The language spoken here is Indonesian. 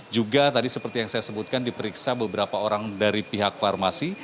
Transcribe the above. juga tadi seperti yang saya sebutkan diperiksa beberapa orang dari pihak farmasi